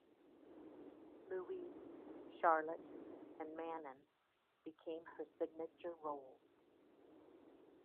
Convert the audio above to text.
Louise, Charlotte and Manon became her signature roles.